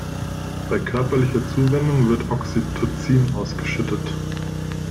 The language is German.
Bei körperlicher Zuwendung wird Oxytocin ausgeschüttet.